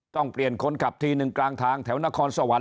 ต้องเปลี่ยนคนขับทีหนึ่งกลางทางแถวนครสวรรค